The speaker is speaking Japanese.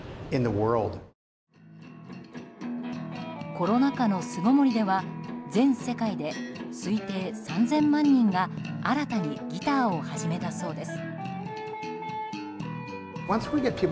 コロナ禍の巣ごもりでは全世界で推定３０００万人が新たにギターを始めたそうです。